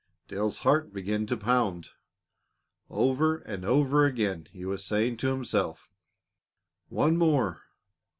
Dale's heart began to pound. Over and over again he was saying to himself: "One more!